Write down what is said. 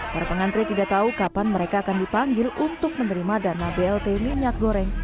para pengantri tidak tahu kapan mereka akan dipanggil untuk menerima dana blt minyak goreng